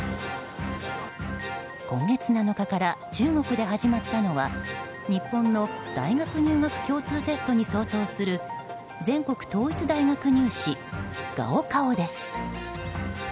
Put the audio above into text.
今月７日から中国で始まったのは日本の大学入学共通テストに相当する全国統一大学入試、高考です。